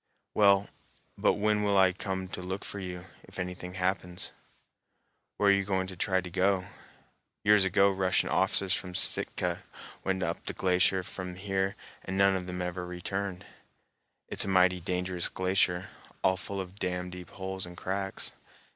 "Well, but when will I come to look for you, if anything happens? Where are you going to try to go? Years ago Russian officers from Sitka went up the glacier from here and none ever returned. It's a mighty dangerous glacier, all full of damn deep holes and cracks.